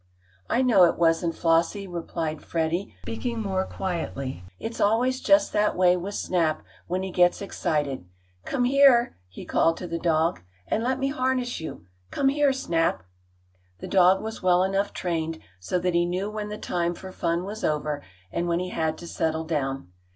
"I know it wasn't, Flossie," replied Freddie, speaking more quietly. "It's always just that way with Snap when he gets excited. Come here!" he called to the dog, "and let me harness you. Come here Snap!" The dog was well enough trained so that he knew when the time for fun was over and when he had to settle down.